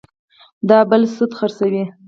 دا بل سودا خرڅوي